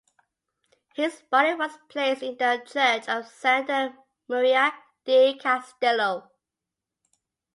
His body was placed in the church of Santa Maria di Castello.